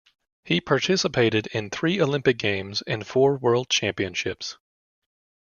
He participated in three Olympic Games and four world championships.